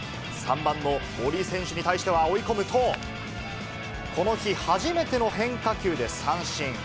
３番の森選手に対しては、追い込むと、この日、初めての変化球で三振。